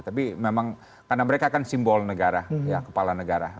tapi memang karena mereka kan simbol negara kepala negara